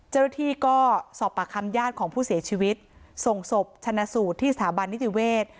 เจ้าหน้าที่ก็สอบปากคำญาติของผู้เสียชีวิตส่งศพชนะสูตรที่สถาบันนิติเวศ